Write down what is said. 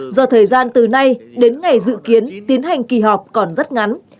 do thời gian từ nay đến ngày dự kiến tiến hành kỳ họp còn rất ngắn